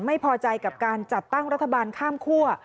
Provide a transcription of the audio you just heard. ไม่พอใจกับการจัดตั้งรัฐบาลข้ามคั่ว